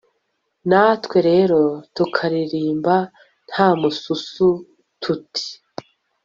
natwe rero tukaririmba nta mususu tuti